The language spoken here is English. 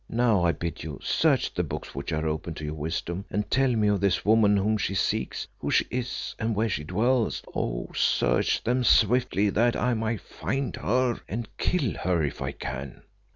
Now I bid you, search the books which are open to your wisdom and tell me of this woman whom he seeks, who she is, and where she dwells. Oh! search them swiftly, that I may find her and kill her if I can."